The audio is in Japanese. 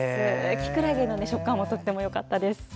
きくらげの食感もとてもよかったです。